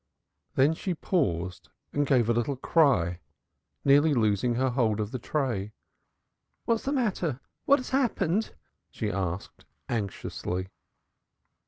Then she paused and gave a little cry, nearly losing her hold of the tray. "What's the matter? What has happened?" she asked anxiously.